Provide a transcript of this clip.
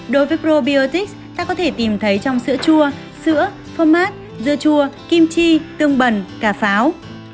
đối với probiotics ta có thể tìm thấy trong sữa chua sữa phô mát dưa chua kimchi tương bẩn cà pháo